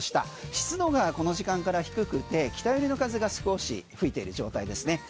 湿度がこの時間から低くて北寄りの風、少し吹いている状態ですね。